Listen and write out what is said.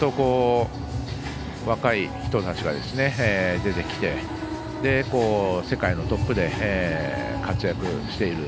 若い人たちが出てきて世界のトップで活躍している。